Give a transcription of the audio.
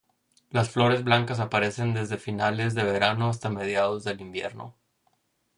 Las flores blancas aparecen desde finales de verano hasta mediados del invierno.